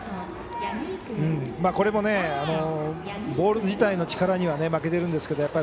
これもボール自体の力には負けてるんですけど